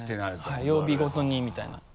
はい曜日ごとにみたいな。